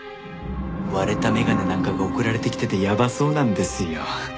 割れた眼鏡なんかが送られてきててやばそうなんですよ。